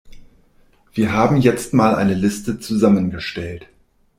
Wir haben jetzt mal eine Liste zusammengestellt.